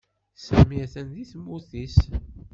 Sami atan deg tmurt is